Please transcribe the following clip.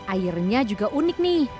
airnya juga unik nih